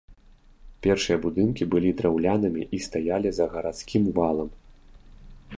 Першыя будынкі былі драўлянымі і стаялі за гарадскім валам.